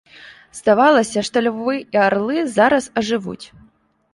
Здавалася, што львы і арлы зараз ажывуць.